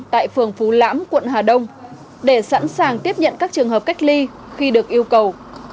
tại phường phú lãm quận hà đông để sẵn sàng tiếp nhận các trường hợp cách ly khi được yêu cầu